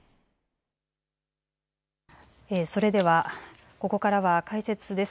それではここからは解説です。